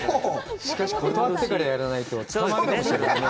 しかし、断ってからやらないと、捕まえられるかもしれないね。